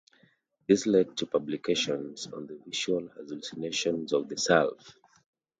This led to publications on visual hallucinations of the self.